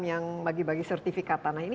yang bagi bagi sertifikat tanah ini